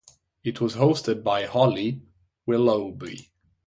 It was hosted by Holly Willoughby.